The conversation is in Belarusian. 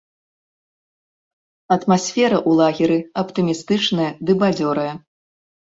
Атмасфера ў лагеры аптымістычная ды бадзёрая.